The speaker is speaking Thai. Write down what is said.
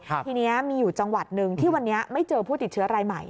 ทีนี้มีอยู่จังหวัดหนึ่งที่วันนี้ไม่เจอผู้ติดเชื้อรายใหม่